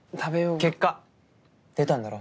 結果出たんだろ。